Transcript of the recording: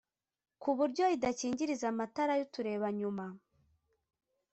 kuburyo itakingiriza amatara y' uturebanyuma